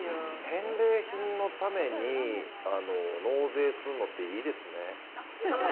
返礼品のために納税するのって、いいですね。